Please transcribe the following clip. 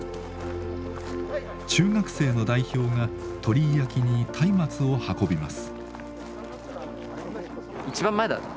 中学生の代表が鳥居焼きに松明を運びます。